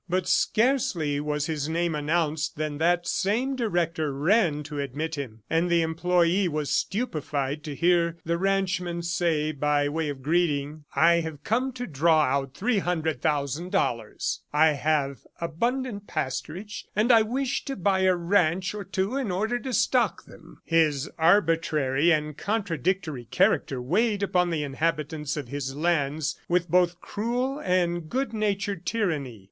But scarcely was his name announced than that same director ran to admit him, and the employee was stupefied to hear the ranchman say, by way of greeting, "I have come to draw out three hundred thousand dollars. I have abundant pasturage, and I wish to buy a ranch or two in order to stock them." His arbitrary and contradictory character weighed upon the inhabitants of his lands with both cruel and good natured tyranny.